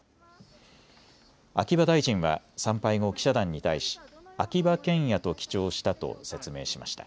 秋葉大臣は参拝後、記者団に対し秋葉賢也と記帳したと説明しました。